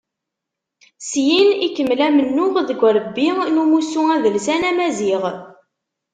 Syin ikemmel amennuɣ deg urebbi n umussu adelsan amaziɣ.